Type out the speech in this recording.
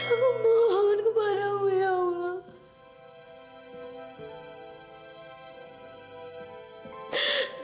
aku mohon kepadamu ya allah